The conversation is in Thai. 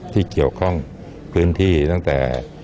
ที่เกี่ยวข้องพื้นที่ตั้งแต่